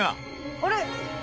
「あれ？」